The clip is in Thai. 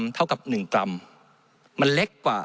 มันตรวจหาได้ระยะไกลตั้ง๗๐๐เมตรครับ